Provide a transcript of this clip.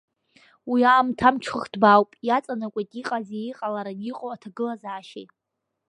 Уи аамҭа амҽхак ҭбаауп, иаҵанакуеит иҟази иҟалараны иҟоу аҭагылазаашьеи.